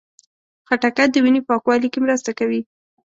خټکی د وینې پاکوالي کې مرسته کوي.